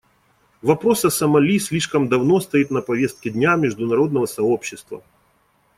Вопрос о Сомали слишком давно стоит на повестке дня международного сообщества.